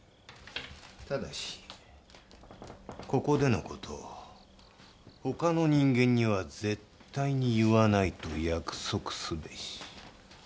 ただしここでの事を他の人間には絶対に言わないと約束すべし。